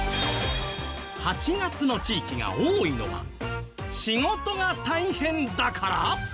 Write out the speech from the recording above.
８月の地域が多いのは仕事が大変だから！？